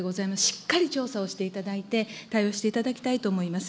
しっかり調査をしていただいて、対応していただきたいと思います。